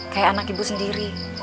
kayak anak ibu sendiri